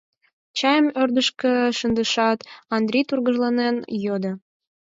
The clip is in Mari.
Чайым ӧрдыжкӧ шындышат, Андрий тургыжланен йодо: